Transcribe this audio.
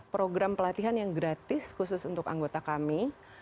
program pelatihan yang gratis khusus untuk anggota kami